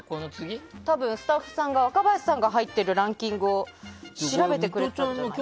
多分、スタッフさんが若林さんが入ってるランキングを調べてくれたんじゃないですか。